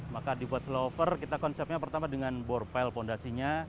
maka dibuat flyover kita konsepnya pertama dengan borpel fondasinya